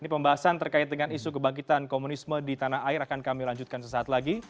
pembahasan terkait dengan isu kebangkitan komunisme di tanah air akan kami lanjutkan sesaat lagi